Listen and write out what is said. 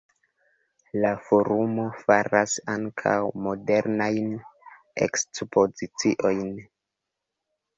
La forumo faras ankaŭ modernajn ekspoziciojn.